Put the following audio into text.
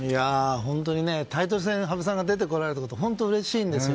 本当にタイトル戦に羽生さんが出てこられることが本当にうれしいんです。